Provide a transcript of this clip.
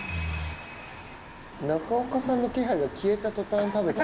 中岡さんの気配が消えた途端食べた。